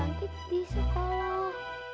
cantik di sekolah